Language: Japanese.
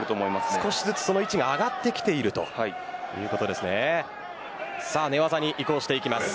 少しずつ位置が上がってきているということです。